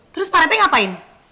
terus pak rete ngapain